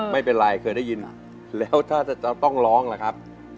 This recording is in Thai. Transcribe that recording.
ไม่เป็นไรเคยได้ยินแล้วถ้าจะต้องร้องล่ะครับ